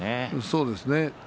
そうですね。